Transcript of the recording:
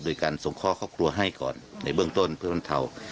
โดยการส่งข้อครอบครัวให้ก่อนในเบื้องต้นเพื่อบรรเทา